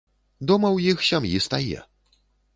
Дома ў іх сям'і стае.